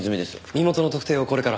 身元の特定をこれから。